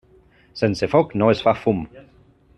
Sense foc no es fa fum.